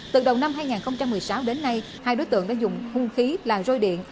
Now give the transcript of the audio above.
từ đầu năm hai nghìn một mươi sáu đến nay hai đối tượng đã dùng hung khí là roi điện